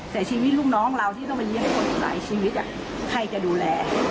แต่ชีวิตลูกน้องเราที่ต้องไปเยี่ยมคนอีกหลายชีวิตใครจะดูแล